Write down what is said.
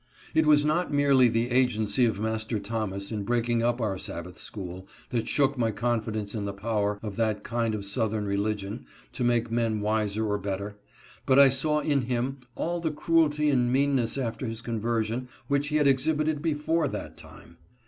It was not merely the agency of Master Thomas in breaking up our Sabbath school, that shook my confidence in the power of that kind of southern ejeligion to make men wiser or better, but I saw in him all the cruelty and meanness after his conversion which he had exhibited before that time.